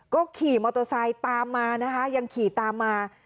ก็ขี่มอเตอร์ไซค์ตามมานะคะยังขี่ตามมา